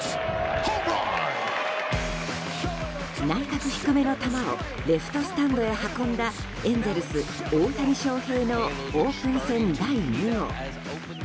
内角低めの球をレフトスタンドへ運んだエンゼルス、大谷翔平のオープン戦第２号。